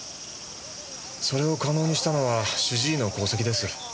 それを可能にしたのは主治医の功績です。